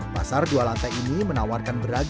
pasar dua lantai ini menawarkan beragam